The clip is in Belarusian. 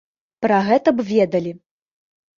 Пра гэта б ведалі.